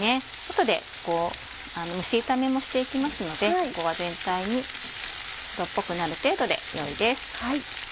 後で蒸し炒めもしていきますのでここは全体に白っぽくなる程度でよいです。